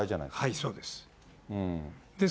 そうです。